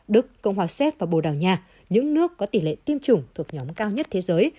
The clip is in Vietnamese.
đức cộng hòa séc và bồ đào nha những nước có tỷ lệ tiêm chủng thuộc nhóm cao nhất thế giới